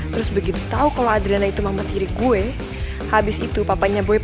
terus begitu tau kalo adriana itu mama tiri gue